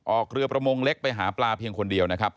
ออกเรือประมงเล็กไปหาปลาเพียงคนเดียวนะครับ